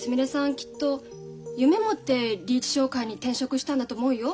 きっと夢持ってリーチ商会に転職したんだと思うよ。